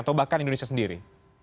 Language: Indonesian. atau bahkan indonesia sendiri